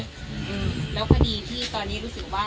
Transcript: อืมแล้วคดีที่ตอนนี้รู้สึกว่า